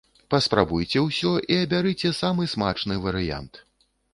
Паспрабуйце усё і абярыце самы смачны варыянт!